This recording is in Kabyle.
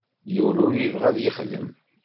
Yiwen ur yebɣi ad yexdem.